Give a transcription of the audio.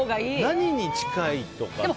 何に近いとか？